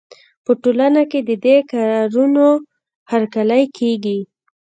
په ټولنه کې د دې کارونو هرکلی کېږي.